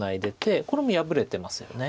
これも破れてますよね。